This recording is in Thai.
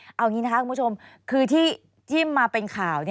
เอาอย่างนี้นะคะคุณผู้ชมคือที่มาเป็นข่าว